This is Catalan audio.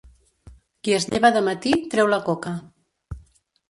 Qui es lleva de matí treu la coca.